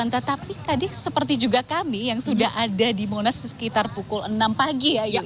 tetapi tadi seperti juga kami yang sudah ada di monas sekitar pukul enam pagi ya